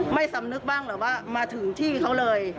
สำนึกบ้างเหรอว่ามาถึงที่เขาเลย